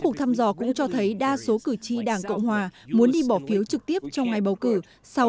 cuộc thăm dò cũng cho thấy đa số cử tri đảng cộng hòa muốn đi bỏ phiếu trực tiếp trong ngày bầu cử sau